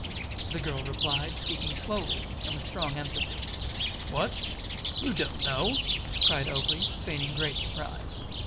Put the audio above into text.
the girl replied, speaking slowly and with strong emphasis. "What! You don't know?" cried Oakleigh, feigning great surprise.